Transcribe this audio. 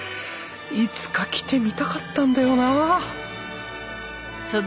いつか来てみたかったんだよなあ